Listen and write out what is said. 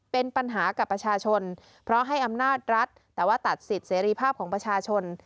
เป็นปัญหากับประชาชนเพราะให้อำนาจรัฐแต่ว่าตัดสิทธิเสรีภาพของประชาชน